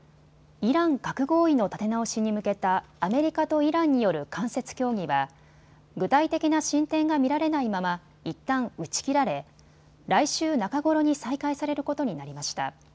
イラン核合意の立て直しに向けたアメリカとイランによる間接協議は具体的な進展が見られないままいったん打ち切られ来週中頃に再開されることになりました。